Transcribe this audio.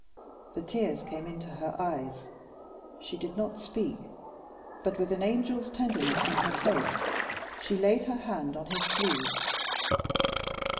The tears came into her eyes; she did not speak, but, with an angel's tenderness in her face, she laid her hand on his sleeve.